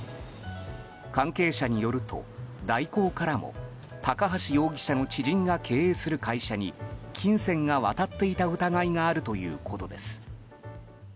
関係者によると大広からも高橋容疑者の知人が経営する会社に金銭が渡っていた疑いがあるということです。